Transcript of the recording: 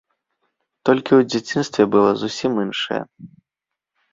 Толькі ў дзяцінстве было зусім іншае.